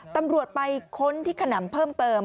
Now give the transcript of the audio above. ตำรวจไปค้นที่ขนำเพิ่มเติม